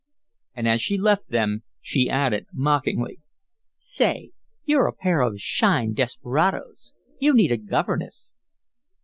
And as she left them she added, mockingly: "Say, you're a pair of 'shine' desperadoes. You need a governess."